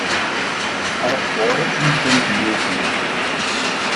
Auch Wolken sind möglich.